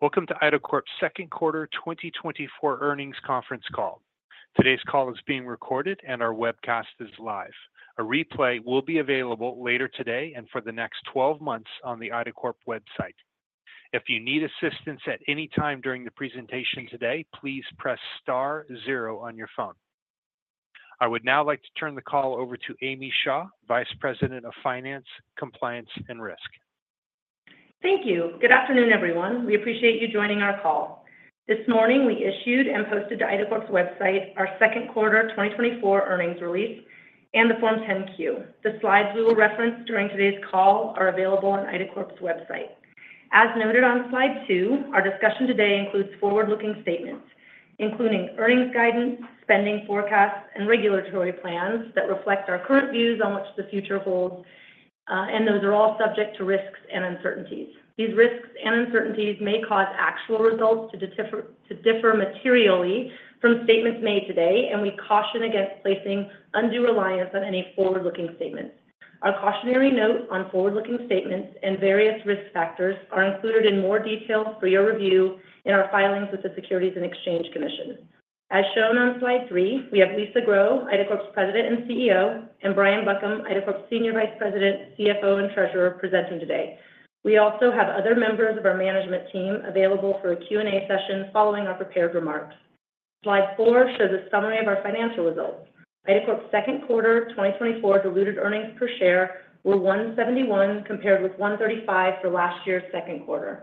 Welcome to IDACORP's Q2 2024 earnings conference call. Today's call is being recorded, and our webcast is live. A replay will be available later today and for the next 12 months on the IDACORP website. If you need assistance at any time during the presentation today, please press star zero on your phone. I would now like to turn the call over to Amy Shaw, Vice President of Finance, Compliance, and Risk. Thank you. Good afternoon, everyone. We appreciate you joining our call. This morning, we issued and posted to IDACORP's website our Q2 2024 earnings release and the Form 10-Q. The slides we will reference during today's call are available on IDACORP's website. As noted on slide two, our discussion today includes forward-looking statements, including earnings guidance, spending forecasts, and regulatory plans that reflect our current views on what the future holds, and those are all subject to risks and uncertainties. These risks and uncertainties may cause actual results to differ materially from statements made today, and we caution against placing undue reliance on any forward-looking statements. Our cautionary note on forward-looking statements and various risk factors are included in more detail for your review in our filings with the Securities and Exchange Commission. As shown on slide three, we have Lisa Grow, IDACORP's President and CEO, and Brian Buckham, IDACORP's Senior Vice President, CFO, and Treasurer, presenting today. We also have other members of our management team available for a Q&A session following our prepared remarks. Slide four shows a summary of our financial results. IDACORP's Q2 2024 diluted earnings per share were $1.71, compared with $1.35 for last year's Q2.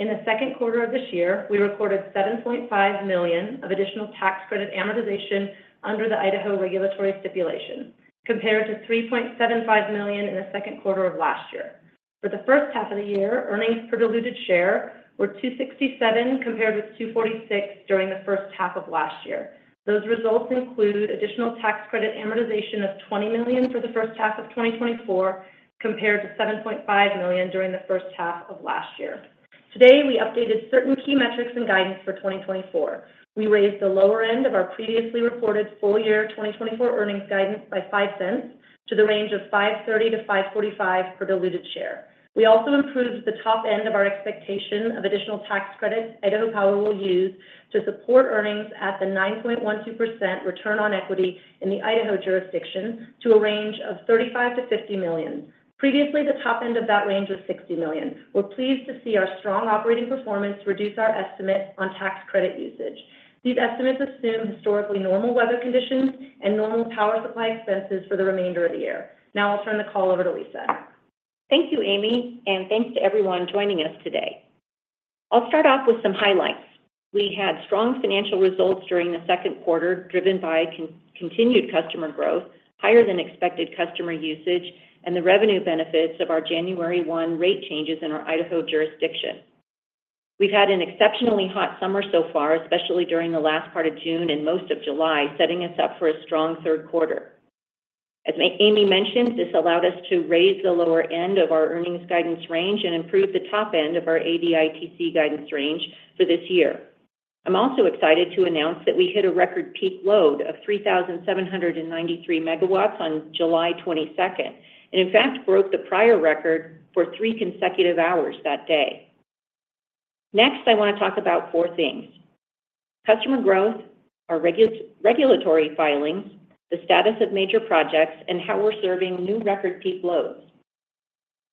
In the Q2 of this year, we recorded $7.5 million of additional tax credit amortization under the Idaho Regulatory Stipulation, compared to $3.75 million in the Q2 of last year. For the first half of the year, earnings per diluted share were $2.67, compared with $2.46 during the first half of last year. Those results include additional tax credit amortization of $20 million for the first half of 2024, compared to $7.5 million during the first half of last year. Today, we updated certain key metrics and guidance for 2024. We raised the lower end of our previously reported full year 2024 earnings guidance by $0.05 to the range of $5.30-$5.45 per diluted share. We also improved the top end of our expectation of additional tax credits Idaho Power will use to support earnings at the 9.12% return on equity in the Idaho jurisdiction to a range of $35 million-$50 million. Previously, the top end of that range was $60 million. We're pleased to see our strong operating performance reduce our estimate on tax credit usage. These estimates assume historically normal weather conditions and normal power supply expenses for the remainder of the year. Now I'll turn the call over to Lisa. Thank you, Amy, and thanks to everyone joining us today. I'll start off with some highlights. We had strong financial results during the second quarter, driven by continued customer growth, higher than expected customer usage, and the revenue benefits of our 1 January rate changes in our Idaho jurisdiction. We've had an exceptionally hot summer so far, especially during the last part of June and most of July, setting us up for a strong third quarter. As Amy mentioned, this allowed us to raise the lower end of our earnings guidance range and improve the top end of our ADITC guidance range for this year. I'm also excited to announce that we hit a record peak load of 3,793 MW on 22 July, and in fact, broke the prior record for 3 consecutive hours that day. Next, I want to talk about four things: customer growth, our regulatory filings, the status of major projects, and how we're serving new record peak loads.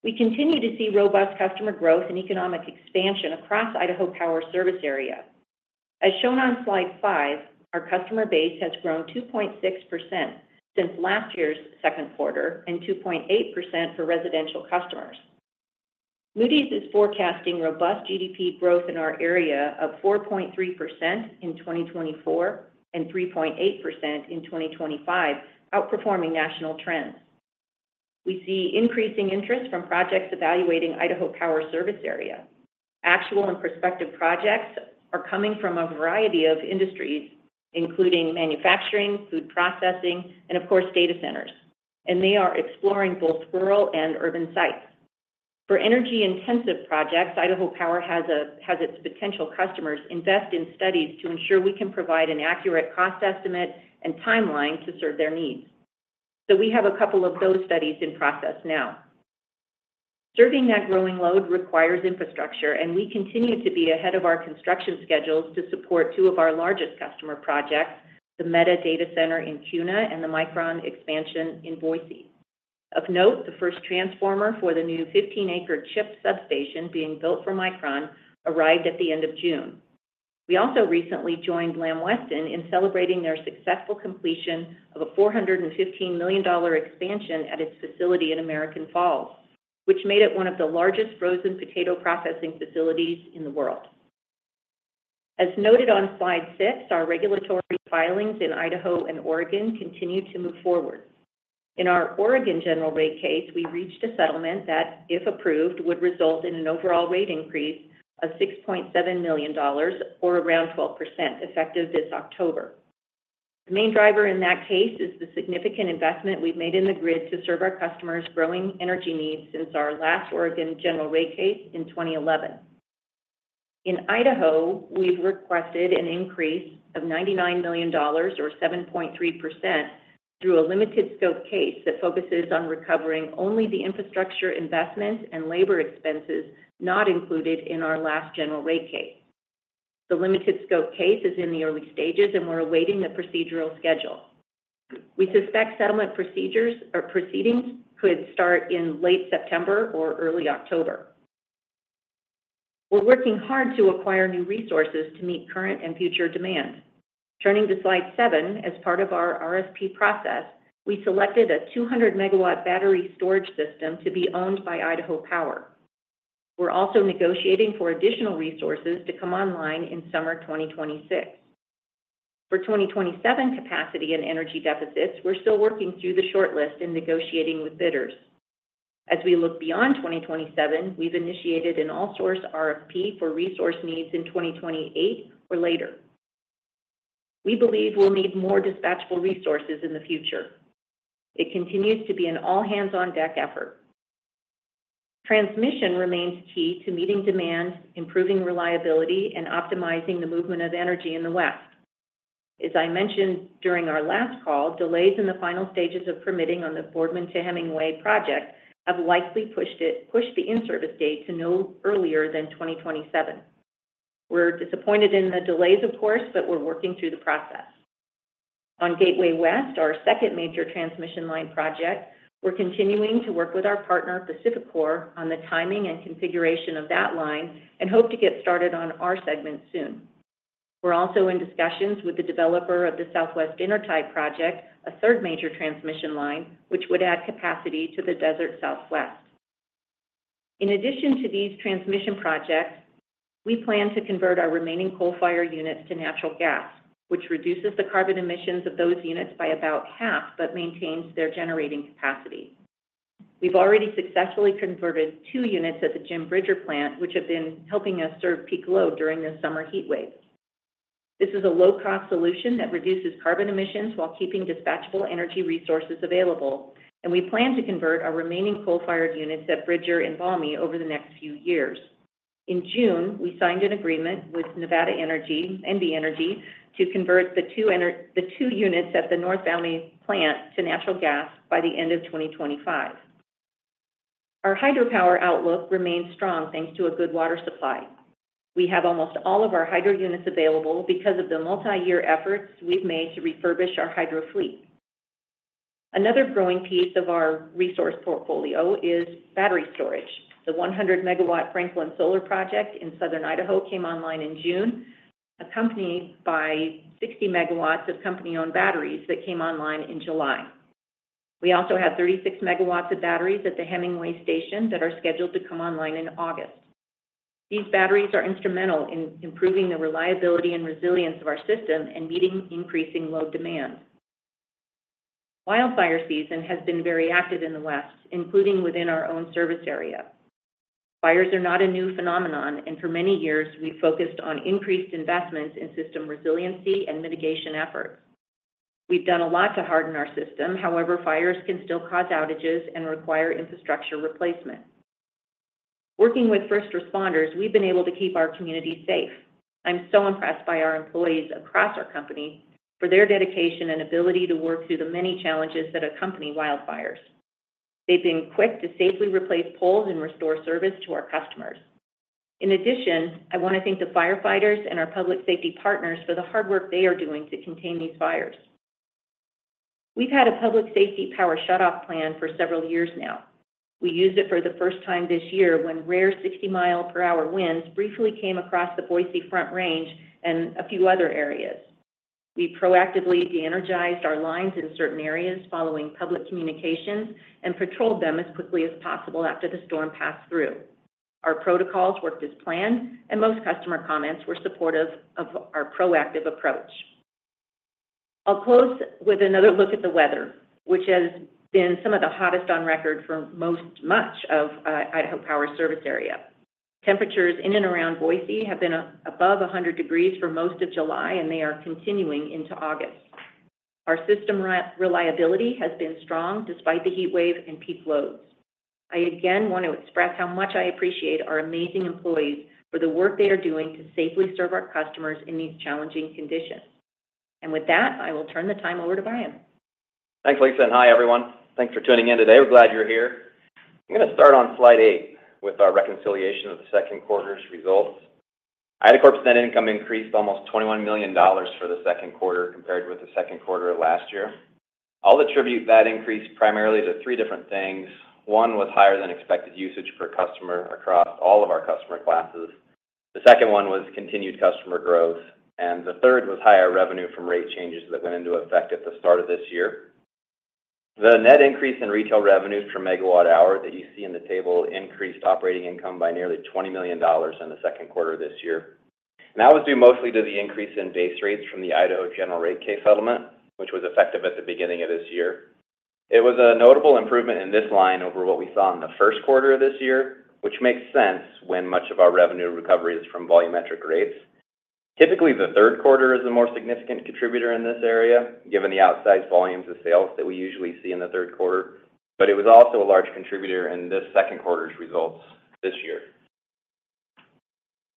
We continue to see robust customer growth and economic expansion across Idaho Power service area. As shown on slide five, our customer base has grown 2.6% since last year's second quarter and 2.8% for residential customers. Moody's is forecasting robust GDP growth in our area of 4.3% in 2024 and 3.8% in 2025, outperforming national trends. We see increasing interest from projects evaluating Idaho Power service area. Actual and prospective projects are coming from a variety of industries, including manufacturing, food processing, and of course, data centers, and they are exploring both rural and urban sites. For energy-intensive projects, Idaho Power has its potential customers invest in studies to ensure we can provide an accurate cost estimate and timeline to serve their needs. So we have a couple of those studies in process now. Serving that growing load requires infrastructure, and we continue to be ahead of our construction schedules to support two of our largest customer projects, the Meta data center in Kuna and the Micron expansion in Boise. Of note, the first transformer for the new 15-acre Chip Substation being built for Micron arrived at the end of June. We also recently joined Lamb Weston in celebrating their successful completion of a $415 million expansion at its facility in American Falls, which made it one of the largest frozen potato processing facilities in the world. As noted on slide six, our regulatory filings in Idaho and Oregon continue to move forward. In our Oregon General Rate Case, we reached a settlement that, if approved, would result in an overall rate increase of $6.7 million or around 12%, effective this October. The main driver in that case is the significant investment we've made in the grid to serve our customers' growing energy needs since our last Oregon General Rate Case in 2011. In Idaho, we've requested an increase of $99 million or 7.3% through a limited scope case that focuses on recovering only the infrastructure investment and labor expenses not included in our last general rate case. The limited scope case is in the early stages, and we're awaiting the procedural schedule. We suspect settlement procedures or proceedings could start in late September or early October. We're working hard to acquire new resources to meet current and future demands. Turning to slide seven, as part of our RFP process, we selected a 200-MW battery storage system to be owned by Idaho Power. We're also negotiating for additional resources to come online in summer 2026. For 2027 capacity and energy deficits, we're still working through the shortlist and negotiating with bidders. As we look beyond 2027, we've initiated an all source RFP for resource needs in 2028 or later. We believe we'll need more dispatchable resources in the future. It continues to be an all-hands-on-deck effort. Transmission remains key to meeting demand, improving reliability, and optimizing the movement of energy in the West. As I mentioned during our last call, delays in the final stages of permitting on the Boardman to Hemingway project have likely pushed the in-service date to no earlier than 2027. We're disappointed in the delays, of course, but we're working through the process. On Gateway West, our second major transmission line project, we're continuing to work with our partner, PacifiCorp, on the timing and configuration of that line and hope to get started on our segment soon. We're also in discussions with the developer of the Southwest Innertie Project, a third major transmission line, which would add capacity to the Desert Southwest. In addition to these transmission projects, we plan to convert our remaining coal-fired units to natural gas, which reduces the carbon emissions of those units by about half, but maintains their generating capacity. We've already successfully converted two units at the Jim Bridger plant, which have been helping us serve peak load during the summer heat waves. This is a low-cost solution that reduces carbon emissions while keeping dispatchable energy resources available, and we plan to convert our remaining coal-fired units at Bridger and Valmy over the next few years. In June, we signed an agreement with NV Energy to convert the two units at the North Valmy plant to natural gas by the end of 2025. Our hydropower outlook remains strong, thanks to a good water supply. We have almost all of our hydro units available because of the multi-year efforts we've made to refurbish our hydro fleet. Another growing piece of our resource portfolio is battery storage. The 100-MW Franklin Solar Project in southern Idaho came online in June, accompanied by 60 MW of company-owned batteries that came online in July. We also have 36 MW of batteries at the Hemingway Station that are scheduled to come online in August. These batteries are instrumental in improving the reliability and resilience of our system and meeting increasing load demand. Wildfire season has been very active in the West, including within our own service area. Fires are not a new phenomenon, and for many years, we focused on increased investments in system resiliency and mitigation efforts. We've done a lot to harden our system. However, fires can still cause outages and require infrastructure replacement. Working with first responders, we've been able to keep our communities safe. I'm so impressed by our employees across our company for their dedication and ability to work through the many challenges that accompany wildfires. They've been quick to safely replace poles and restore service to our customers. In addition, I want to thank the firefighters and our public safety partners for the hard work they are doing to contain these fires. We've had a public safety power shutoff plan for several years now. We used it for the first time this year when rare 60-mile-per-hour winds briefly came across the Boise Front Range and a few other areas. We proactively de-energized our lines in certain areas following public communications and patrolled them as quickly as possible after the storm passed through. Our protocols worked as planned, and most customer comments were supportive of our proactive approach. I'll close with another look at the weather, which has been some of the hottest on record for most of Idaho Power's service area. Temperatures in and around Boise have been above 100 degrees Fahrenheit for most of July, and they are continuing into August. Our system reliability has been strong despite the heatwave and peak loads. I again want to express how much I appreciate our amazing employees for the work they are doing to safely serve our customers in these challenging conditions. And with that, I will turn the time over to Brian. Thanks, Lisa, and hi, everyone. Thanks for tuning in today. We're glad you're here. I'm gonna start on slide eight with our reconciliation of the Q2's results. IDACORP's net income increased almost $21 million for the second quarter compared with the second quarter of last year. I'll attribute that increase primarily to three different things. One was higher than expected usage per customer across all of our customer classes. The second one was continued customer growth, and the third was higher revenue from rate changes that went into effect at the start of this year. The net increase in retail revenues per MWh that you see in the table increased operating income by nearly $20 million in the second quarter of this year. That was due mostly to the increase in base rates from the Idaho General Rate Case settlement, which was effective at the beginning of this year. It was a notable improvement in this line over what we saw in the first quarter of this year, which makes sense when much of our revenue recovery is from volumetric rates... Typically, the Q3 is a more significant contributor in this area, given the outsized volumes of sales that we usually see in the third quarter, but it was also a large contributor in this second quarter's results this year.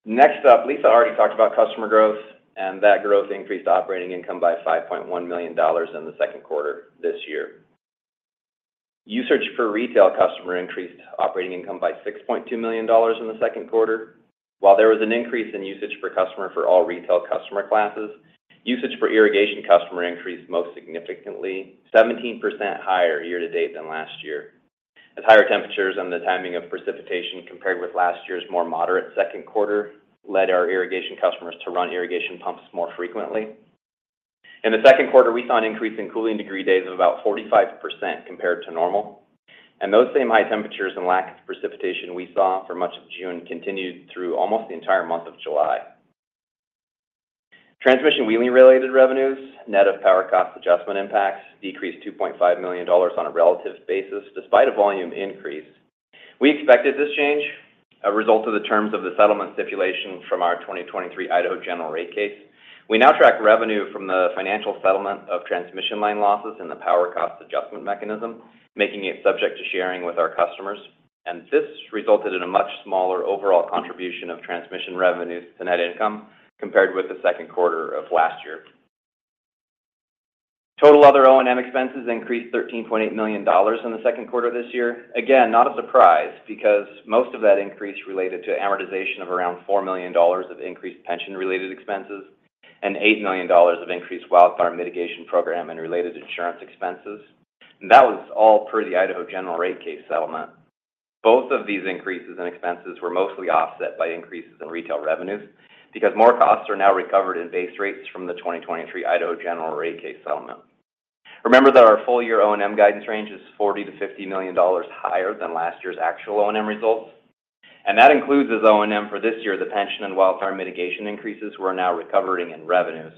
Next up, Lisa already talked about customer growth, and that growth increased operating income by $5.1 million in the Q2 this year. Usage per retail customer increased operating income by $6.2 million in the Q2. While there was an increase in usage per customer for all retail customer classes, usage for irrigation customer increased most significantly, 17% higher year to date than last year, as higher temperatures and the timing of precipitation compared with last year's more moderate second quarter led our irrigation customers to run irrigation pumps more frequently. In the second quarter, we saw an increase in cooling degree days of about 45% compared to normal, and those same high temperatures and lack of precipitation we saw for much of June continued through almost the entire month of July. Transmission wheeling-related revenues, net of power cost adjustment impacts, decreased $2.5 million on a relative basis, despite a volume increase. We expected this change, a result of the terms of the settlement stipulation from our 2023 Idaho General Rate Case. We now track revenue from the financial settlement of transmission line losses and the power cost adjustment mechanism, making it subject to sharing with our customers, and this resulted in a much smaller overall contribution of transmission revenues to net income compared with the second quarter of last year. Total other O&M expenses increased $13.8 million in the second quarter this year. Again, not a surprise, because most of that increase related to amortization of around $4 million of increased pension-related expenses and $8 million of increased wildfire mitigation program and related insurance expenses. That was all per the Idaho General Rate Case settlement. Both of these increases in expenses were mostly offset by increases in retail revenues, because more costs are now recovered in base rates from the 2023 Idaho General Rate Case settlement. Remember that our full-year O&M guidance range is $40 million-$50 million higher than last year's actual O&M results, and that includes as O&M for this year, the pension and wildfire mitigation increases we're now recovering in revenues.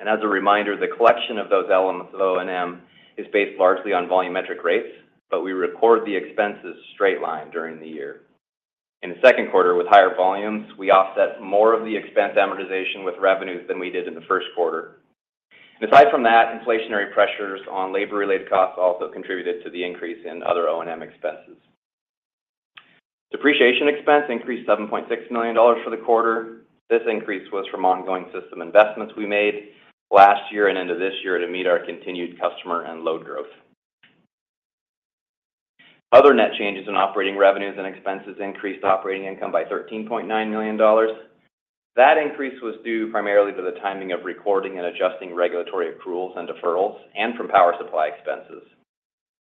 As a reminder, the collection of those elements of O&M is based largely on volumetric rates, but we record the expenses straight line during the year. In the Q2, with higher volumes, we offset more of the expense amortization with revenues than we did in the first quarter. Aside from that, inflationary pressures on labor-related costs also contributed to the increase in other O&M expenses. Depreciation expense increased $7.6 million for the quarter. This increase was from ongoing system investments we made last year and into this year to meet our continued customer and load growth. Other net changes in operating revenues and expenses increased operating income by $13.9 million. That increase was due primarily to the timing of recording and adjusting regulatory accruals and deferrals and from power supply expenses.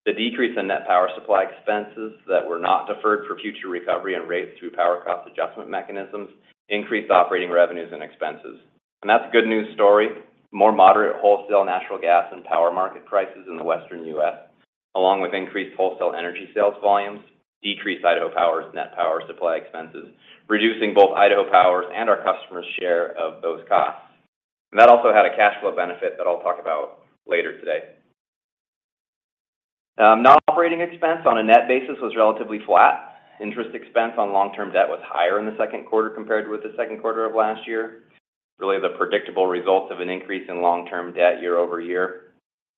The decrease in net power supply expenses that were not deferred for future recovery and rates through power cost adjustment mechanisms increased operating revenues and expenses. That's a good news story. More moderate wholesale natural gas and power market prices in the Western US, along with increased wholesale energy sales volumes, decreased Idaho Power's net power supply expenses, reducing both Idaho Power's and our customers' share of those costs. That also had a cash flow benefit that I'll talk about later today. Non-operating expense on a net basis was relatively flat. Interest expense on long-term debt was higher in the second quarter compared with the second quarter of last year. Really, the predictable results of an increase in long-term debt year-over-year.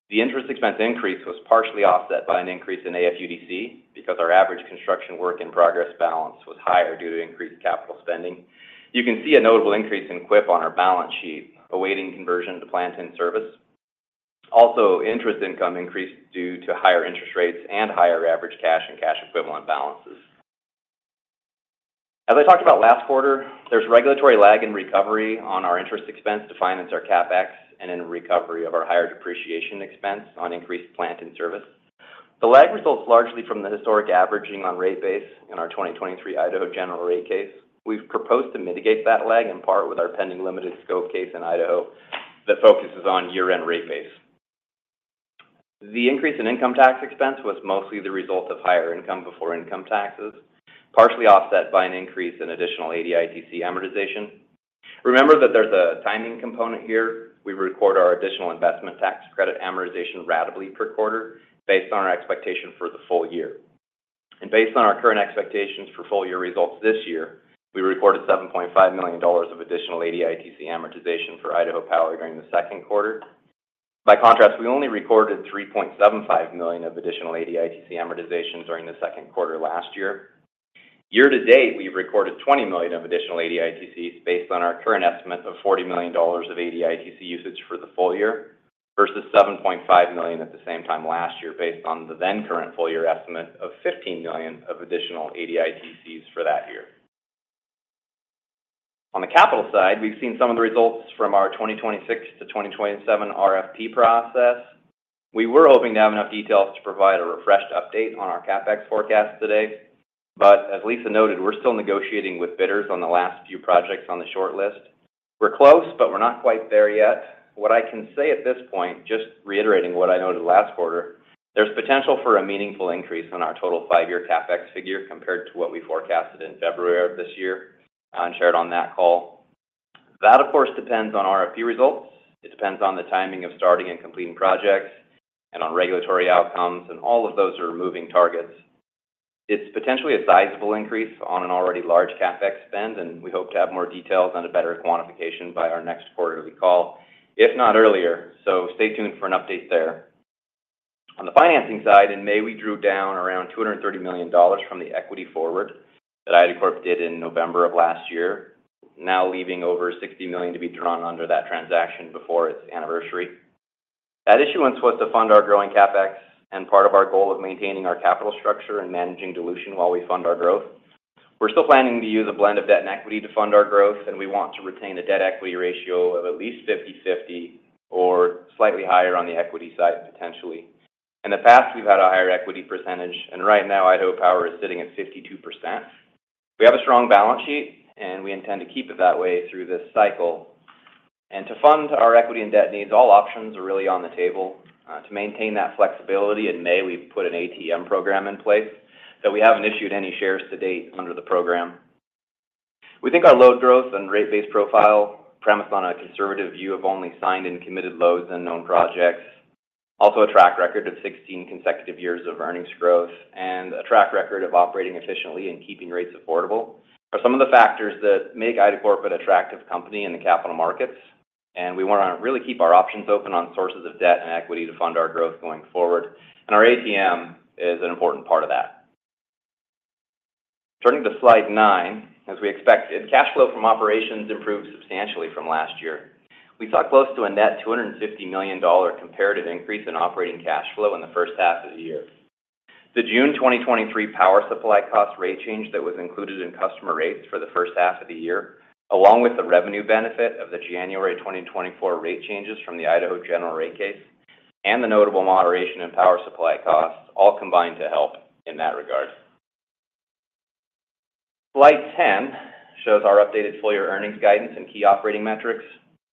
The interest expense increase was partially offset by an increase in AFUDC, because our average construction work in progress balance was higher due to increased capital spending. You can see a notable increase in CWIP on our balance sheet, awaiting conversion to plant in service. Also, interest income increased due to higher interest rates and higher average cash and cash equivalent balances. As I talked about last quarter, there's regulatory lag in recovery on our interest expense to finance our CapEx and in recovery of our higher depreciation expense on increased plant in service. The lag results largely from the historic averaging on rate base in our 2023 Idaho General Rate Case. We've proposed to mitigate that lag, in part with our pending limited scope case in Idaho that focuses on year-end rate base. The increase in income tax expense was mostly the result of higher income before income taxes, partially offset by an increase in additional ADITC amortization. Remember that there's a timing component here. We record our additional investment tax credit amortization ratably per quarter, based on our expectation for the full year. And based on our current expectations for full-year results this year, we recorded $7.5 million of additional ADITC amortization for Idaho Power during the second quarter. By contrast, we only recorded $3.75 million of additional ADITC amortization during the second quarter last year. Year to date, we've recorded $20 million of additional ADITCs, based on our current estimate of $40 million of ADITC usage for the full year, versus $7.5 million at the same time last year, based on the then current full year estimate of $15 million of additional ADITCs for that year. On the capital side, we've seen some of the results from our 2026 to 2027 RFP process. We were hoping to have enough details to provide a refreshed update on our CapEx forecast today, but as Lisa noted, we're still negotiating with bidders on the last few projects on the shortlist. We're close, but we're not quite there yet. What I can say at this point, just reiterating what I noted last quarter, there's potential for a meaningful increase in our total five-year CapEx figure compared to what we forecasted in February of this year and shared on that call. That, of course, depends on RFP results. It depends on the timing of starting and completing projects and on regulatory outcomes, and all of those are moving targets. It's potentially a sizable increase on an already large CapEx spend, and we hope to have more details on a better quantification by our next quarterly call, if not earlier. So stay tuned for an update there. On the financing side, in May, we drew down around $230 million from the equity forward that IDACORP did in November of last year, now leaving over $60 million to be drawn under that transaction before its anniversary. That issuance was to fund our growing CapEx and part of our goal of maintaining our capital structure and managing dilution while we fund our growth. We're still planning to use a blend of debt and equity to fund our growth, and we want to retain a debt equity ratio of at least 50/50 or slightly higher on the equity side, potentially. In the past, we've had a higher equity percentage, and right now, Idaho Power is sitting at 52%. We have a strong balance sheet, and we intend to keep it that way through this cycle. And to fund our equity and debt needs, all options are really on the table. To maintain that flexibility, in May, we put an ATM program in place that we haven't issued any shares to date under the program. We think our load growth and rate base profile premised on a conservative view of only signed and committed loads and known projects. Also, a track record of 16 consecutive years of earnings growth and a track record of operating efficiently and keeping rates affordable are some of the factors that make IDACORP an attractive company in the capital markets, and we want to really keep our options open on sources of debt and equity to fund our growth going forward. Our ATM is an important part of that. Turning to slide nine, as we expected, cash flow from operations improved substantially from last year. We saw close to a net $250 million comparative increase in operating cash flow in the first half of the year. The June 2023 power supply cost rate change that was included in customer rates for the first half of the year, along with the revenue benefit of the January 2024 rate changes from the Idaho General Rate Case, and the notable moderation in power supply costs, all combined to help in that regard. Slide ten shows our updated full-year earnings guidance and key operating metrics.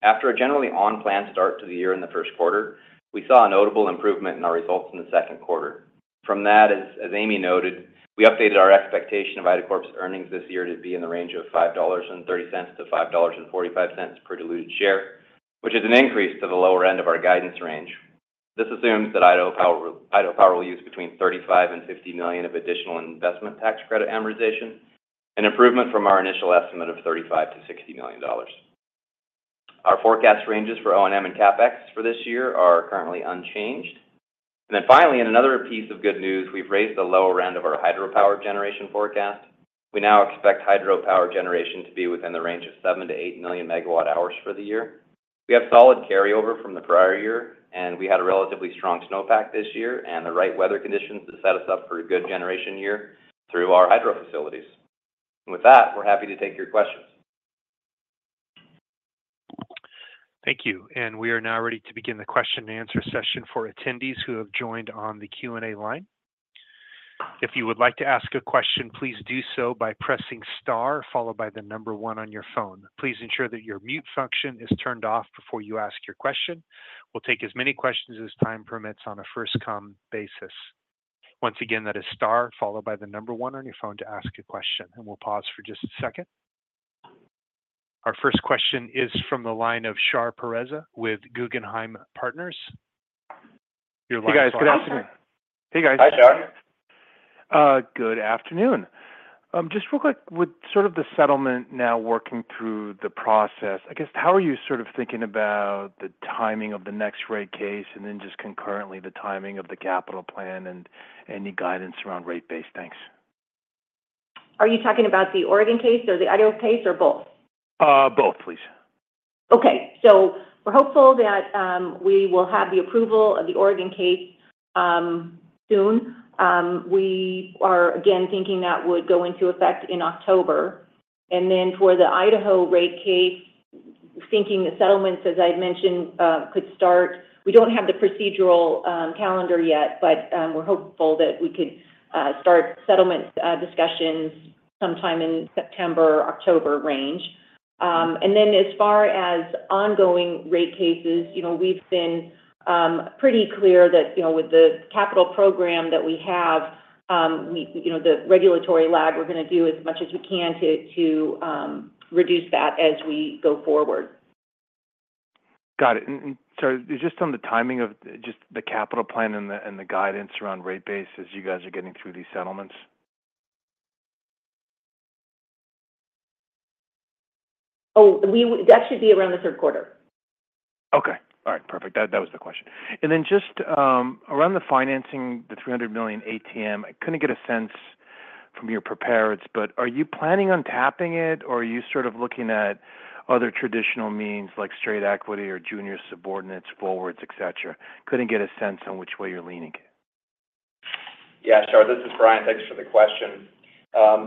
After a generally on-plan start to the year in the first quarter, we saw a notable improvement in our results in the second quarter. From that, as Amy noted, we updated our expectation of IDACORP's earnings this year to be in the range of $5.30-$5.45 per diluted share, which is an increase to the lower end of our guidance range. This assumes that Idaho Power will use between $35 million and $50 million of additional investment tax credit amortization, an improvement from our initial estimate of $35 million-$60 million. Our forecast ranges for O&M and CapEx for this year are currently unchanged. And then finally, in another piece of good news, we've raised the lower end of our hydropower generation forecast. We now expect hydropower generation to be within the range of 7 million-8 million MWh for the year. We have solid carryover from the prior year, and we had a relatively strong snowpack this year and the right weather conditions to set us up for a good generation year through our hydro facilities. With that, we're happy to take your questions. Thank you. We are now ready to begin the question and answer session for attendees who have joined on the Q&A line. If you would like to ask a question, please do so by pressing *, followed by the number 1 on your phone. Please ensure that your mute function is turned off before you ask your question. We'll take as many questions as time permits on a first-come basis. Once again, that is *, followed by the number 1 on your phone to ask a question, and we'll pause for just a second. Our first question is from the line of Shar Pourreza with Guggenheim Partners. Your line is- Hey, guys. Good afternoon. Hey, guys. Hi, Shar. Good afternoon. Just real quick, with sort of the settlement now working through the process, I guess, how are you sort of thinking about the timing of the next rate case, and then just concurrently, the timing of the capital plan and any guidance around rate base? Thanks. Are you talking about the Oregon case or the Idaho case, or both? Both, please. Okay. So we're hopeful that we will have the approval of the Oregon case soon. We are, again, thinking that would go into effect in October. And then for the Idaho rate case, thinking the settlements, as I'd mentioned, could start. We don't have the procedural calendar yet, but we're hopeful that we could start settlement discussions sometime in September or October range. And then as far as ongoing rate cases, you know, we've been pretty clear that, you know, with the capital program that we have, you know, the regulatory lag, we're going to do as much as we can to reduce that as we go forward. Got it. And so just on the timing of the capital plan and the guidance around rate base as you guys are getting through these settlements? Oh, that should be around the Q3 Okay. All right. Perfect. That, that was the question. And then just, around the financing, the $300 million ATM, I couldn't get a sense from your prepared notes, but are you planning on tapping it, or are you sort of looking at other traditional means, like straight equity or junior subordinates, forwards, et cetera? Couldn't get a sense on which way you're leaning. Yeah, Shar, this is Brian. Thanks for the question.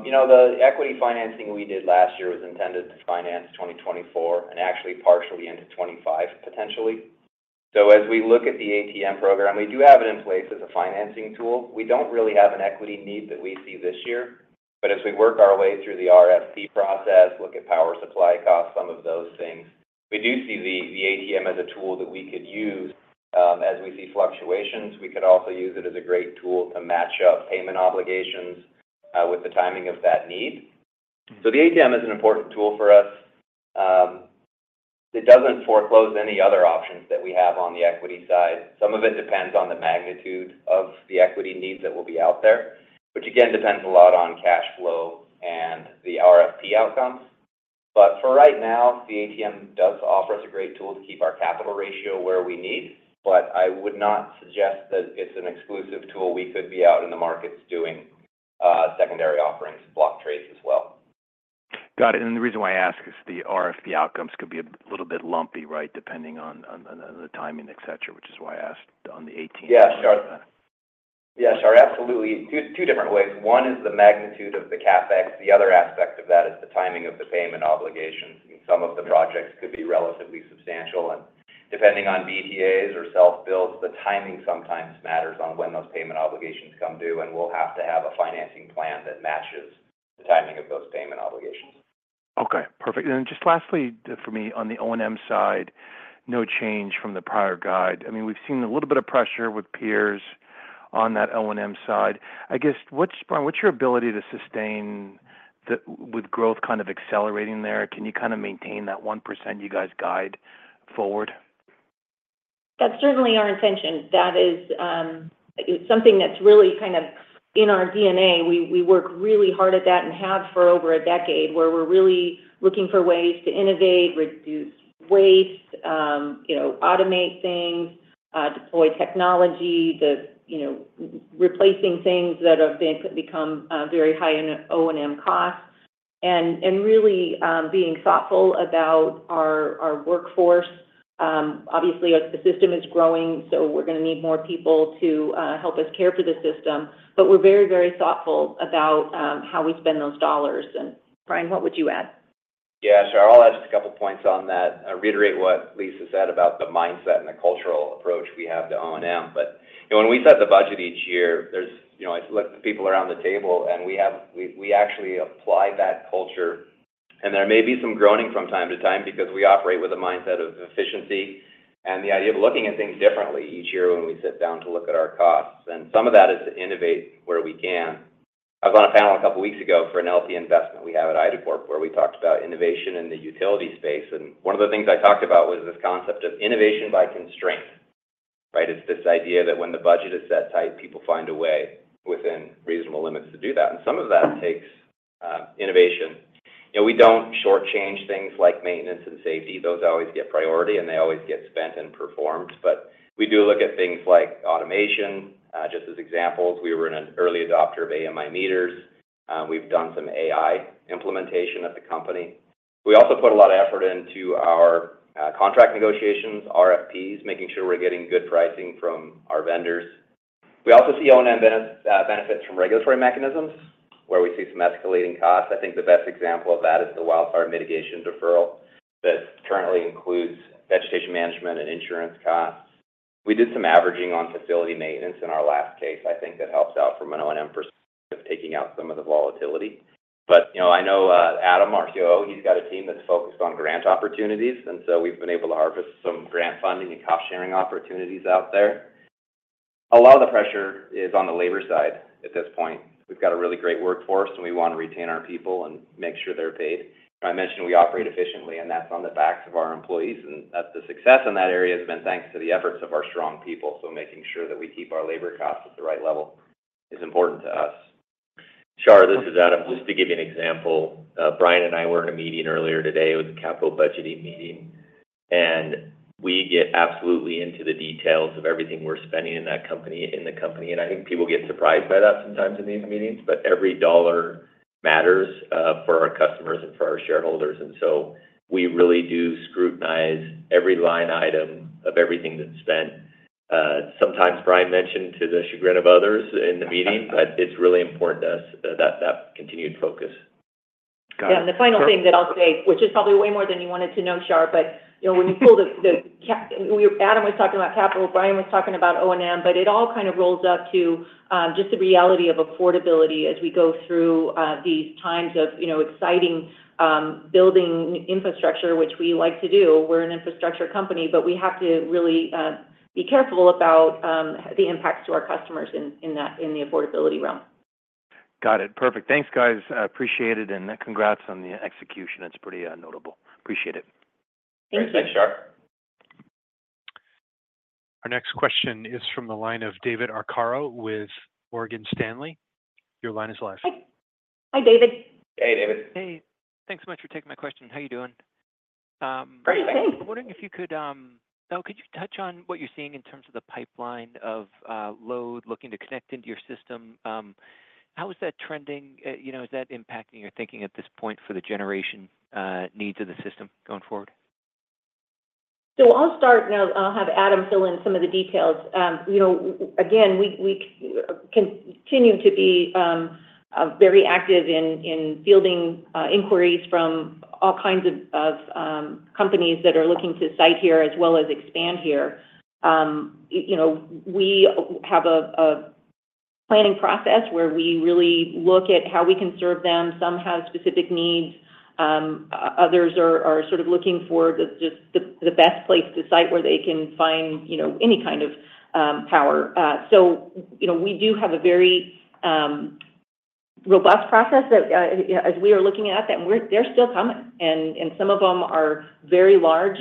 You know, the equity financing we did last year was intended to finance 2024 and actually partially into 2025, potentially. So as we look at the ATM program, we do have it in place as a financing tool. We don't really have an equity need that we see this year, but as we work our way through the RFP process, look at power supply costs, some of those things, we do see the ATM as a tool that we could use. As we see fluctuations, we could also use it as a great tool to match up payment obligations with the timing of that need. So the ATM is an important tool for us. It doesn't foreclose any other options that we have on the equity side. Some of it depends on the magnitude of the equity needs that will be out there, which again, depends a lot on cash flow and the RFP outcomes. But for right now, the ATM does offer us a great tool to keep our capital ratio where we need, but I would not suggest that it's an exclusive tool. We could be out in the markets doing secondary offerings, block trades as well. Got it. And the reason why I ask is the RFP outcomes could be a little bit lumpy, right? Depending on the timing, et cetera, which is why I asked on the eighteenth. Yeah, sure. Yeah, sure. Absolutely. Two different ways. One is the magnitude of the CapEx. The other aspect of that is the timing of the payment obligations, and some of the projects could be relatively substantial. Depending on BTAs or self-build, the timing sometimes matters on when those payment obligations come due, and we'll have to have a financing plan that matches the timing of those payment obligations. Okay, perfect. And then just lastly, for me, on the O&M side, no change from the prior guide. I mean, we've seen a little bit of pressure with peers on that O&M side. I guess, what's, Brian, what's your ability to sustain the—with growth kind of accelerating there, can you kind of maintain that 1% you guys guide forward? That's certainly our intention. That is something that's really kind of in our DNA. We work really hard at that and have for over a decade, where we're really looking for ways to innovate, reduce waste, you know, automate things, deploy technology, you know, replacing things that have been become very high in O&M costs, and really being thoughtful about our workforce. Obviously, the system is growing, so we're going to need more people to help us care for the system, but we're very, very thoughtful about how we spend those dollars. And, Brian, what would you add? Yeah, sure. I'll add just a couple of points on that. I reiterate what Lisa said about the mindset and the cultural approach we have to O&M, but, you know, when we set the budget each year, there's, you know, I look at the people around the table, and we have—we actually apply that culture. There may be some groaning from time to time because we operate with a mindset of efficiency and the idea of looking at things differently each year when we sit down to look at our costs. Some of that is to innovate where we can. I was on a panel a couple of weeks ago for an LP investment we have at IDACORP, where we talked about innovation in the utility space, and one of the things I talked about was this concept of innovation by constraint, right? It's this idea that when the budget is that tight, people find a way within reasonable limits to do that, and some of that takes innovation. You know, we don't shortchange things like maintenance and safety. Those always get priority, and they always get spent and performed. But we do look at things like automation. Just as examples, we were an early adopter of AMI meters. We've done some AI implementation at the company. We also put a lot of effort into our contract negotiations, RFPs, making sure we're getting good pricing from our vendors. We also see O&M benefits from regulatory mechanisms, where we see some escalating costs. I think the best example of that is the wildfire mitigation deferral. That currently includes vegetation management and insurance costs. We did some averaging on facility maintenance in our last case. I think that helps out from an O&M perspective, taking out some of the volatility. But, you know, I know, Adam, our COO, he's got a team that's focused on grant opportunities, and so we've been able to harvest some grant funding and cost-sharing opportunities out there. A lot of the pressure is on the labor side at this point. We've got a really great workforce, and we want to retain our people and make sure they're paid. I mentioned we operate efficiently, and that's on the backs of our employees, and that's the success in that area has been thanks to the efforts of our strong people. So making sure that we keep our labor costs at the right level is important to us. Char, this is Adam. Just to give you an example, Brian and I were in a meeting earlier today. It was a capital budgeting meeting, and we get absolutely into the details of everything we're spending in that company, in the company. I think people get surprised by that sometimes in these meetings, but every dollar matters for our customers and for our shareholders, and so we really do scrutinize every line item of everything that's spent. Sometimes Brian mentioned to the chagrin of others in the meeting, but it's really important to us that continued focus. Got it. Yeah, and the final thing that I'll say, which is probably way more than you wanted to know, Shar, but, you know, when you pull the capital Adam was talking about, Brian was talking about O&M, but it all kind of rolls up to just the reality of affordability as we go through these times of, you know, exciting building infrastructure, which we like to do. We're an infrastructure company, but we have to really be careful about the impacts to our customers in that affordability realm. Got it. Perfect. Thanks, guys. I appreciate it, and congrats on the execution. It's pretty notable. Appreciate it. Thanks. Thanks, Shar. Our next question is from the line of David Arcaro with Morgan Stanley. Your line is live. Hi. Hi, David. Hey, David. Hey, thanks so much for taking my question. How are you doing? Great, thanks. I was wondering if you could, so could you touch on what you're seeing in terms of the pipeline of load looking to connect into your system? How is that trending? You know, is that impacting your thinking at this point for the generation needs of the system going forward? So I'll start, and I'll have Adam fill in some of the details. You know, again, we continue to be very active in fielding inquiries from all kinds of companies that are looking to site here as well as expand here. You know, we have a planning process where we really look at how we can serve them. Some have specific needs. Others are sort of looking for just the best place to site where they can find, you know, any kind of power. So, you know, we do have a very robust process that as we are looking at that, and they're still coming. And some of them are very large,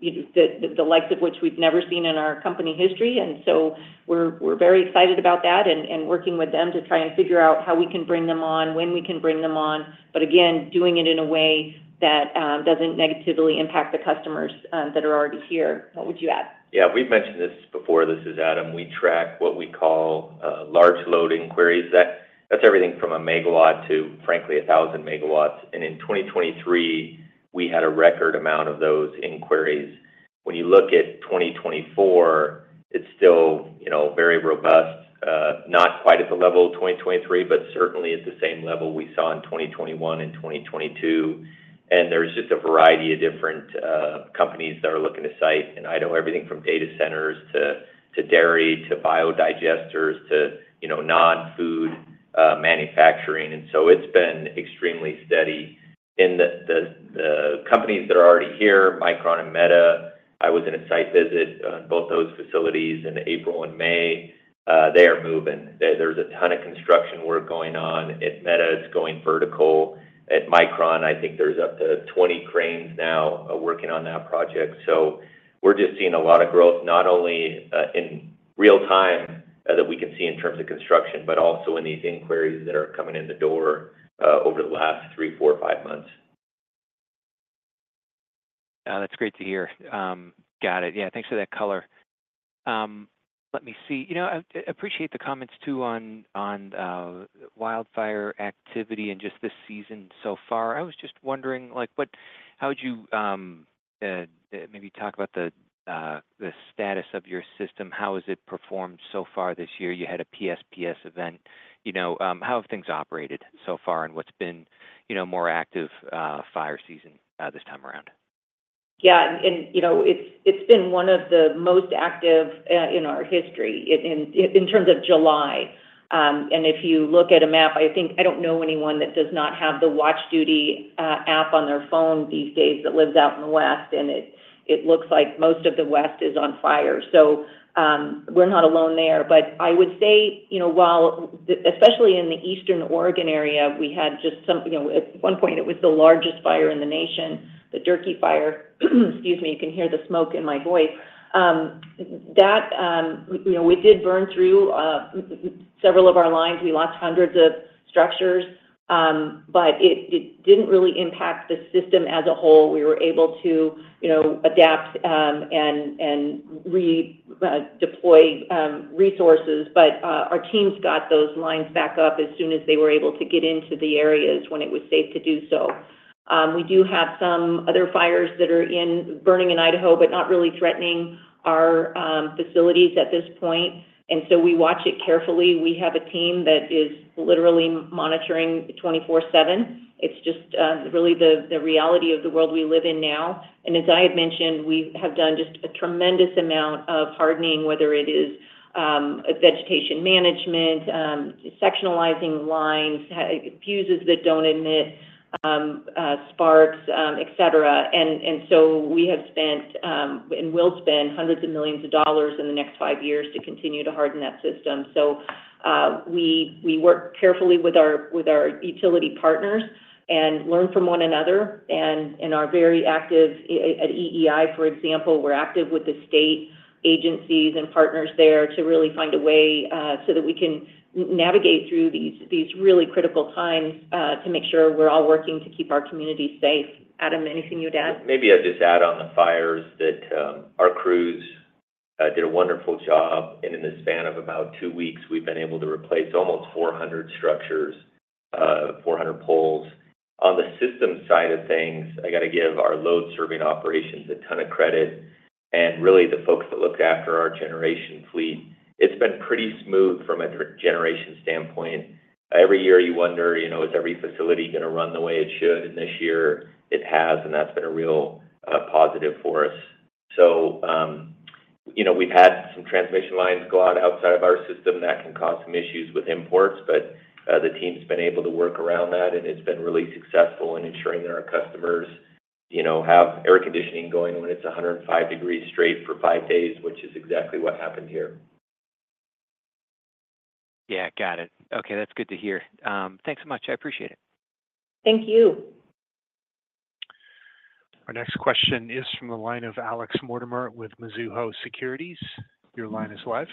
the likes of which we've never seen in our company history. And so we're, we're very excited about that and, and working with them to try and figure out how we can bring them on, when we can bring them on, but again, doing it in a way that doesn't negatively impact the customers that are already here. What would you add? Yeah, we've mentioned this before. This is Adam. We track what we call large load inquiries. That's everything from a MW to, frankly, 1,000MW, and in 2023, we had a record amount of those inquiries. When you look at 2024, it's still, you know, very robust, not quite at the level of 2023, but certainly at the same level we saw in 2021 and 2022. And there's just a variety of different companies that are looking to site, and I know everything from data centers to dairy, to biodigesters, to, you know, non-food manufacturing, and so it's been extremely steady. In the companies that are already here, Micron and Meta, I was in a site visit on both those facilities in April and May. They are moving. There's a ton of construction work going on. At Meta, it's going vertical. At Micron, I think there's up to 20 cranes now working on that project. So we're just seeing a lot of growth, not only, in real time, that we can see in terms of construction, but also in these inquiries that are coming in the door, over the last 3, 4, 5 months. That's great to hear. Got it. Yeah, thanks for that color. Let me see. You know, I appreciate the comments, too, on, on, wildfire activity and just this season so far. I was just wondering, like, how would you, maybe talk about the, the status of your system? How has it performed so far this year? You had a PSPS event. You know, how have things operated so far, and what's been, you know, more active, fire season, this time around? Yeah, and, you know, it's, it's been one of the most active in our history, in, in, in terms of July. And if you look at a map, I think I don't know anyone that does not have the Watch Duty app on their phone these days that lives out in the West, and it, it looks like most of the West is on fire. So, we're not alone there. But I would say, you know, while the... Especially in the Eastern Oregon area, we had just some, you know, at one point, it was the largest fire in the nation, the Durkee Fire. Excuse me, you can hear the smoke in my voice. That, you know, we did burn through several of our lines. We lost hundreds of structures, but it, it didn't really impact the system as a whole. We were able to, you know, adapt and deploy resources, but our teams got those lines back up as soon as they were able to get into the areas when it was safe to do so. We do have some other fires that are burning in Idaho, but not really threatening our facilities at this point, and so we watch it carefully. We have a team that is literally monitoring 24/7. It's just really the reality of the world we live in now. And as I had mentioned, we have done just a tremendous amount of hardening, whether it is vegetation management, sectionalizing lines, fuses that don't emit sparks, et cetera. So we have spent and will spend $hundreds of millions in the next five years to continue to harden that system. So we work carefully with our utility partners and learn from one another and are very active. At EEI, for example, we're active with the state agencies and partners there to really find a way so that we can navigate through these really critical times to make sure we're all working to keep our community safe. Adam, anything you'd add? Maybe I'd just add on the fires that, our crews did a wonderful job, and in the span of about two weeks, we've been able to replace almost 400 structures, 400 poles. On the system side of things, I got to give our load-serving operations a ton of credit, and really, the folks that look after our generation fleet. It's been pretty smooth from a generation standpoint. Every year you wonder, you know, is every facility gonna run the way it should? And this year it has, and that's been a real, positive for us. So, you know, we've had some transmission lines go out outside of our system. That can cause some issues with imports, but the team's been able to work around that, and it's been really successful in ensuring that our customers, you know, have air conditioning going when it's 105 degrees straight for 5 days, which is exactly what happened here. Yeah, got it. Okay, that's good to hear. Thanks so much. I appreciate it. Thank you. Our next question is from the line of Alex Mortimer with Mizuho Securities. Your line is live.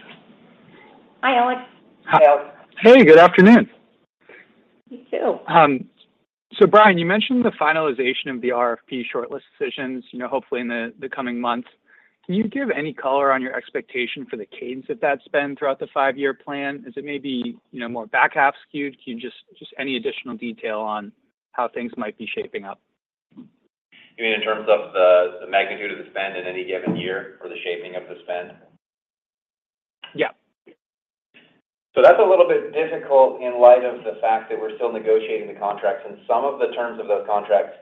Hi, Alex. Hi, Alex. Hey, good afternoon. You too. So, Brian, you mentioned the finalization of the RFP shortlist decisions, you know, hopefully in the coming months. Can you give any color on your expectation for the cadence that that's been throughout the five-year plan? Is it maybe, you know, more back-half skewed? Can you just any additional detail on how things might be shaping up? You mean in terms of the magnitude of the spend in any given year or the shaping of the spend? Yeah. So that's a little bit difficult in light of the fact that we're still negotiating the contracts. In some of the terms of those contracts,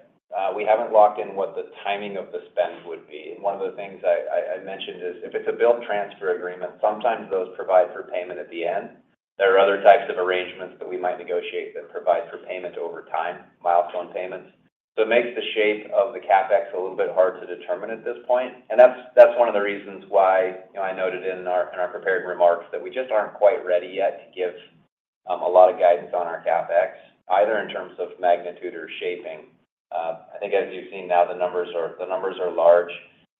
we haven't locked in what the timing of the spend would be. And one of the things I mentioned is, if it's a build transfer agreement, sometimes those provide for payment at the end. There are other types of arrangements that we might negotiate that provide for payment over time, milestone payments. So it makes the shape of the CapEx a little bit hard to determine at this point, and that's, that's one of the reasons why, you know, I noted in our, in our prepared remarks that we just aren't quite ready yet to give a lot of guidance on our CapEx, either in terms of magnitude or shaping. I think as you've seen now, the numbers are large.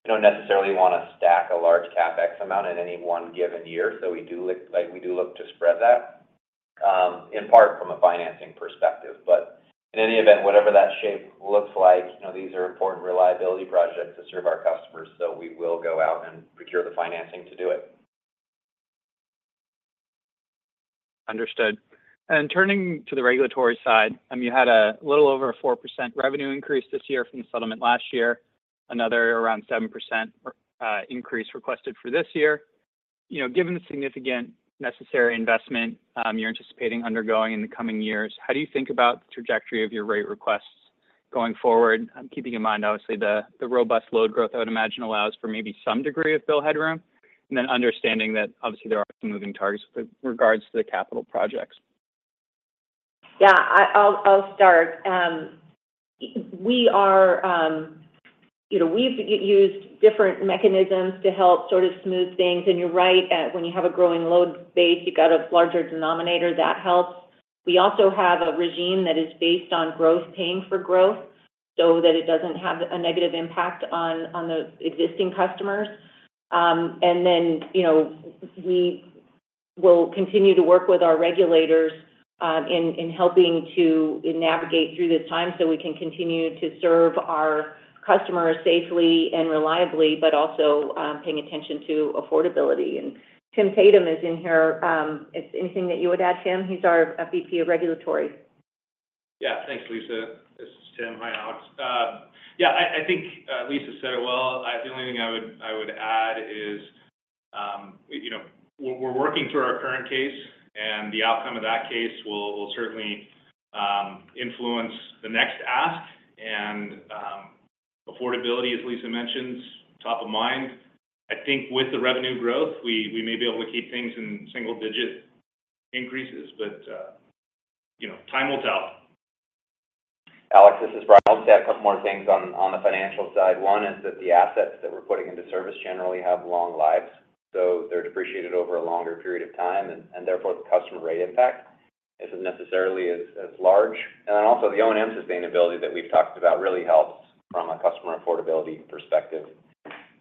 We don't necessarily want to stack a large CapEx amount in any one given year, so we do look, like, we do look to spread that, in part from a financing perspective. But in any event, whatever that shape looks like, you know, these are important reliability projects to serve our customers, so we will go out and procure the financing to do it. Understood. And turning to the regulatory side, you had a little over 4% revenue increase this year from the settlement last year, another around 7%, increase requested for this year. You know, given the significant necessary investment, you're anticipating undergoing in the coming years, how do you think about the trajectory of your rate requests going forward? Keeping in mind, obviously, the robust load growth, I would imagine, allows for maybe some degree of bill headroom, and then understanding that obviously there are moving targets with regards to the capital projects. Yeah, I'll start. You know, we've used different mechanisms to help sort of smooth things, and you're right. When you have a growing load base, you got a larger denominator, that helps. We also have a regime that is based on growth paying for growth, so that it doesn't have a negative impact on the existing customers. And then, you know, we will continue to work with our regulators in helping to navigate through this time so we can continue to serve our customers safely and reliably, but also paying attention to affordability. And Tim Tatum is in here. Is there anything that you would add, Tim? He's our VP of Regulatory. Yeah. Thanks, Lisa. This is Tim. Hi, Alex. Yeah, I think Lisa said it well. The only thing I would add is, you know, we're working through our current case, and the outcome of that case will certainly influence the next ask. And, affordability, as Lisa mentioned, top of mind. I think with the revenue growth, we may be able to keep things in single-digit increases, but, you know, time will tell. Alex, this is Brian. I'll just add a couple more things on the financial side. One is that the assets that we're putting into service generally have long lives, so they're depreciated over a longer period of time, and therefore, the customer rate impact isn't necessarily as large. And then also, the O&M sustainability that we've talked about really helps from a customer affordability perspective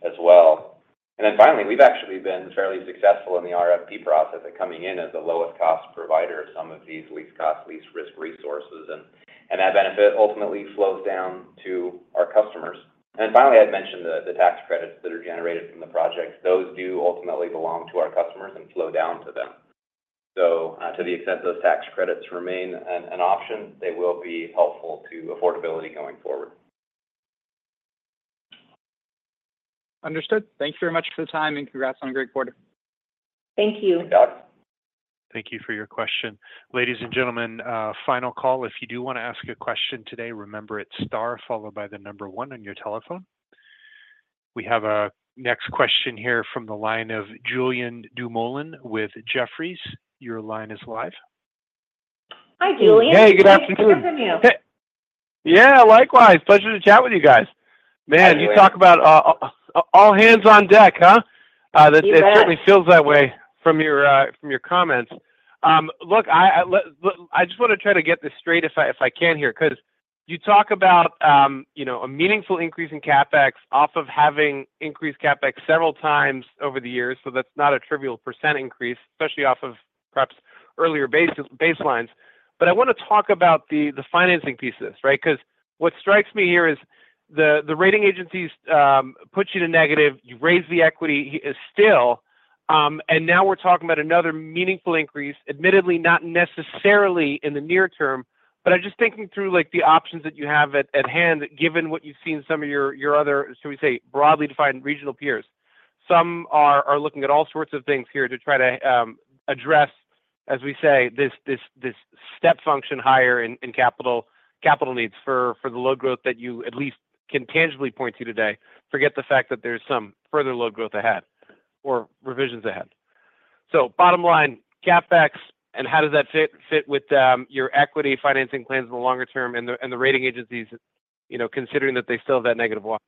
as well. And then finally, we've actually been fairly successful in the RFP process at coming in as the lowest cost provider of some of these least cost, least risk resources, and that benefit ultimately flows down to our customers. And finally, I'd mentioned the tax credits that are generated from the projects. Those do ultimately belong to our customers and flow down to them. So, to the extent those tax credits remain an option, they will be helpful to affordability going forward. Understood. Thank you very much for the time, and congrats on a great quarter. Thank you. Thanks, Alex. Thank you for your question. Ladies and gentlemen, final call. If you do wanna ask a question today, remember it's * followed by the number 1 on your telephone. We have our next question here from the line of Julian Dumoulin-Smith with Jefferies. Your line is live. Hi, Julian. Hey, good afternoon. Good to hear from you. Hey! Yeah, likewise. Pleasure to chat with you guys. Hi, Julian. Man, you talk about all hands on deck, huh? You bet. It certainly feels that way from your comments. Look, I just wanna try to get this straight if I can here, 'cause you talk about, you know, a meaningful increase in CapEx off of having increased CapEx several times over the years, so that's not a trivial percent increase, especially off of perhaps earlier baselines. But I wanna talk about the financing piece of this, right? Because what strikes me here is the rating agencies put you to negative, you've raised the equity is still. And now we're talking about another meaningful increase, admittedly, not necessarily in the near term, but I'm just thinking through, like, the options that you have at hand, given what you've seen some of your other, shall we say, broadly defined regional peers. Some are looking at all sorts of things here to try to address, as we say, this step function higher in capital needs for the load growth that you at least can tangibly point to today. Forget the fact that there's some further load growth ahead or revisions ahead. So bottom line, CapEx, and how does that fit with your equity financing plans in the longer term and the rating agencies, you know, considering that they still have that negative one?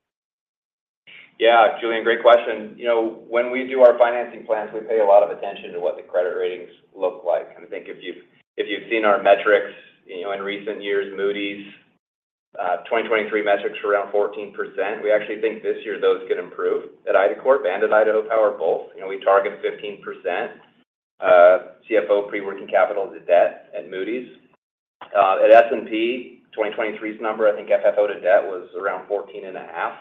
Yeah, Julian, great question. You know, when we do our financing plans, we pay a lot of attention to what the credit ratings look like. And I think if you've seen our metrics, you know, in recent years, Moody's 2023 metrics were around 14%. We actually think this year those could improve at IDACORP and at Idaho Power both. You know, we target 15%, CFO pre-working capital to debt at Moody's. At S&P, 2023's number, I think FFO to debt was around 14.5.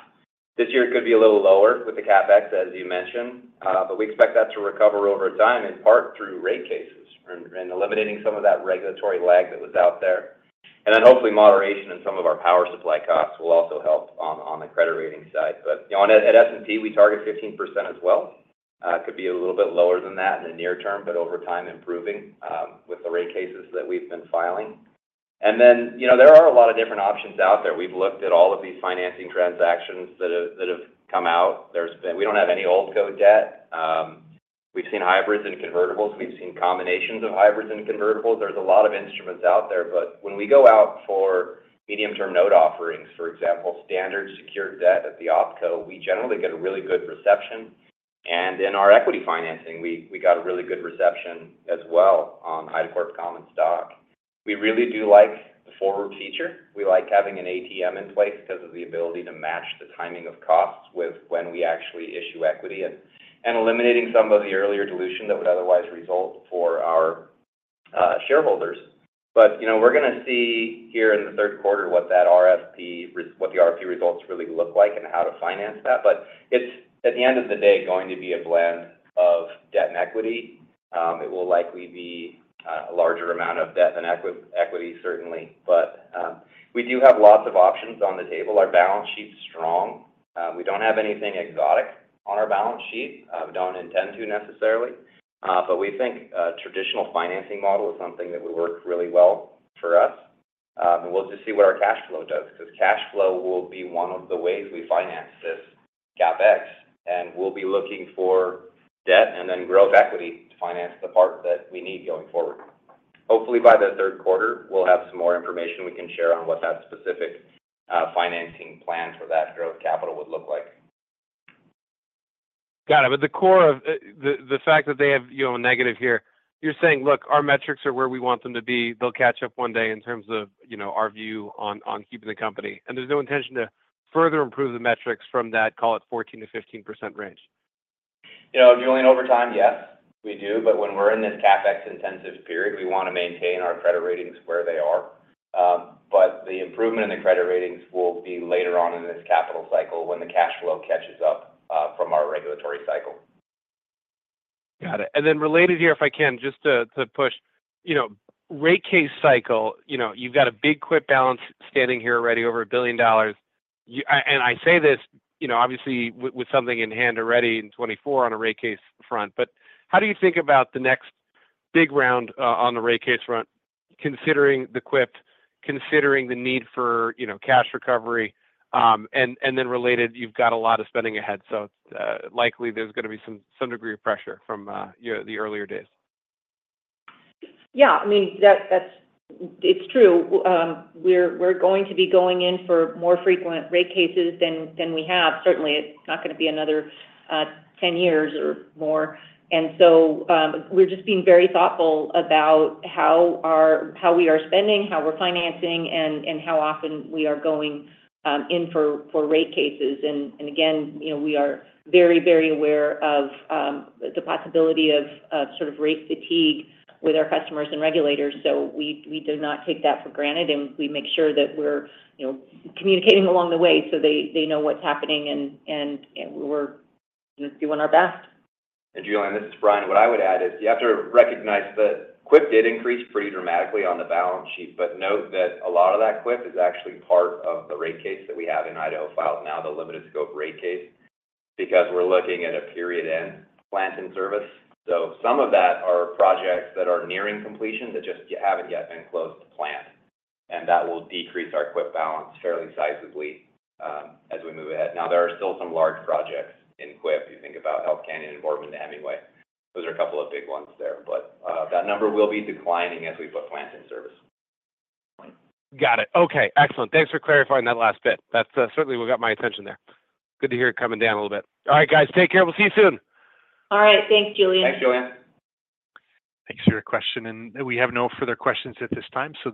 This year, it could be a little lower with the CapEx, as you mentioned, but we expect that to recover over time, in part through rate cases and eliminating some of that regulatory lag that was out there. And then hopefully, moderation in some of our power supply costs will also help on the credit rating side. But, you know, at S&P, we target 15% as well. It could be a little bit lower than that in the near term, but over time, improving with the rate cases that we've been filing. And then, you know, there are a lot of different options out there. We've looked at all of these financing transactions that have come out. There's been. We don't have any old coal debt. We've seen hybrids and convertibles. We've seen combinations of hybrids and convertibles. There's a lot of instruments out there, but when we go out for medium-term note offerings, for example, standard secured debt at the OpCo, we generally get a really good reception. In our equity financing, we got a really good reception as well on IDACORP's common stock. We really do like the forward feature. We like having an ATM in place because of the ability to match the timing of costs with when we actually issue equity and eliminating some of the earlier dilution that would otherwise result for our shareholders. But, you know, we're gonna see here in the Q3 what that RFP results really look like and how to finance that. But it's, at the end of the day, going to be a blend of debt and equity. It will likely be a larger amount of debt than equity, certainly. But we do have lots of options on the table. Our balance sheet's strong. We don't have anything exotic on our balance sheet, don't intend to necessarily. But we think a traditional financing model is something that would work really well for us. And we'll just see what our cash flow does, because cash flow will be one of the ways we finance this CapEx, and we'll be looking for debt and then growth equity to finance the part that we need going forward. Hopefully, by the Q3, we'll have some more information we can share on what that specific financing plan for that growth capital would look like. Got it. But the core of the fact that they have, you know, a negative here, you're saying, "Look, our metrics are where we want them to be. They'll catch up one day in terms of, you know, our view on, on keeping the company." And there's no intention to further improve the metrics from that, call it 14%-15% range? You know, Julian, over time, yes, we do, but when we're in this CapEx-intensive period, we want to maintain our credit ratings where they are. But the improvement in the credit ratings will be later on in this capital cycle when the cash flow catches up from our regulatory cycle. Got it. And then related here, if I can, just to push, you know, rate case cycle, you know, you've got a big CWIP balance standing here already, over $1 billion. And I say this, you know, obviously with something in hand already in 2024 on a rate case front, but how do you think about the next big round on the rate case front, considering the CWIP, considering the need for, you know, cash recovery, and then related, you've got a lot of spending ahead, so likely there's gonna be some, some degree of pressure from, you know, the earlier days? Yeah, I mean, that, that's—it's true. We're going to be going in for more frequent rate cases than we have. Certainly, it's not gonna be another 10 years or more. And so, we're just being very thoughtful about how our—how we are spending, how we're financing, and how often we are going in for rate cases. And again, you know, we are very, very aware of the possibility of sort of rate fatigue with our customers and regulators, so we do not take that for granted, and we make sure that we're, you know, communicating along the way so they know what's happening and we're just doing our best. Julian, this is Brian. What I would add is you have to recognize that CWIP did increase pretty dramatically on the balance sheet, but note that a lot of that CWIP is actually part of the rate case that we have in Idaho files, now the limited scope rate case, because we're looking at a period in plant and service. So some of that are projects that are nearing completion, that just haven't yet been closed to plant, and that will decrease our CWIP balance fairly sizably, as we move ahead. Now, there are still some large projects in CWIP. You think about Hells Canyon and Boardman to Hemingway. Those are a couple of big ones there, but, that number will be declining as we put plants in service. Got it. Okay, excellent. Thanks for clarifying that last bit. That's certainly what got my attention there. Good to hear it coming down a little bit. All right, guys, take care. We'll see you soon! All right. Thanks, Julian. Thanks, Julian. Thanks for your question, and we have no further questions at this time, so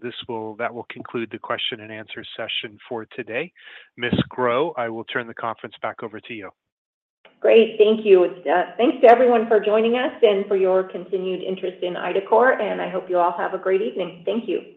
that will conclude the question-and-answer session for today. Ms. Grow, I will turn the conference back over to you. Great. Thank you. Thanks to everyone for joining us and for your continued interest in IDACORP, and I hope you all have a great evening. Thank you.